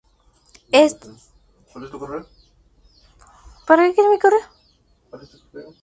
Éste sería el primer avance de dicha dinastía sobre las costas del Mar Mediterráneo.